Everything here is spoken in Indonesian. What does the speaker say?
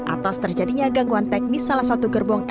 atas terjadinya gangguan teknis salah satu gerbong